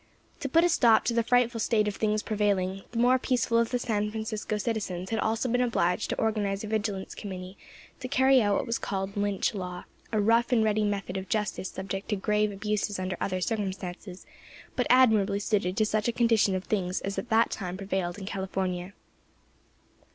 To put a stop to the frightful state of things prevailing, the more peaceful of the San Francisco citizens had also been obliged to organise a Vigilance Committee to carry out what was called Lynch law, a rough and ready method of justice subject to grave abuses under other circumstances, but admirably suited to such a condition of things as at that time prevailed in California.